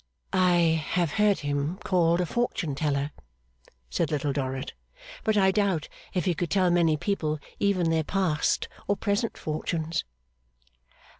'I have heard him called a fortune teller,' said Little Dorrit. 'But I doubt if he could tell many people even their past or present fortunes.